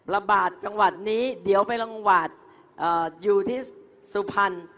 ระบาดจังหวัดนี้เดี๋ยวไปจังหวัดอยู่ที่สุพรรณ